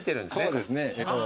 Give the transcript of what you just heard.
そうですね。